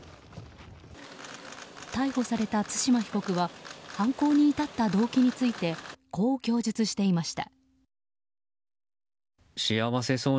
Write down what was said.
逮捕された対馬被告は犯行に至った動機についてこう供述していました。